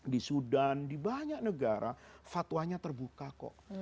di sudan di banyak negara fatwanya terbuka kok